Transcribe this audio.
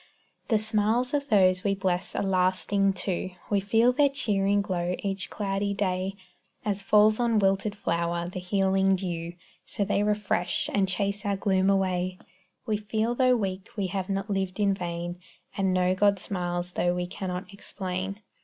The smiles of those we bless are lasting, too; We feel their cheering glow each cloudy day. As falls on wilted flower the healing dew, So they refresh, and chase our gloom away; We feel though weak we have not lived in vain, And know God smiles tho' we cannot explain.